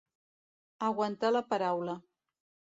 Aguantar la paraula.